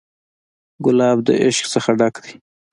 ګلاب د عشق نه ډک دی.